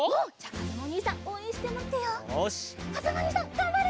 かずむおにいさんがんばれ！